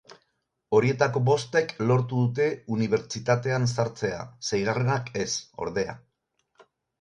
Horietako bostek lortu dute unibertsitatean sartzea; seigarrenak ez, ordea.